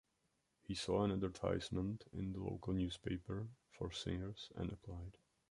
He saw an advertisement in the local newspaper for singers and applied.